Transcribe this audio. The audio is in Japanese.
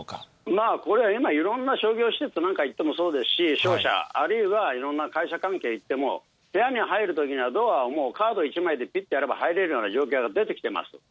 まあこれは今、いろんな商業施設なんかに行ってもそうですし、商社、あるいはいろんな会社関係行っても、行っても、部屋に入るときにはドアをもうカード１枚で、ぴってやれば入れるような状況が出てきています。